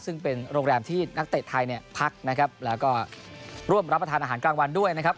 ซึ่งเป็นโรงแรมที่นักเตะไทยเนี่ยพักนะครับแล้วก็ร่วมรับประทานอาหารกลางวันด้วยนะครับ